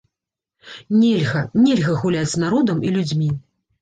Нельга, нельга гуляць з народам і людзьмі.